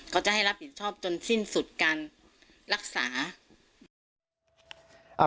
ก็จะให้รับผิดชอบจนสิ้นสุดการรักษา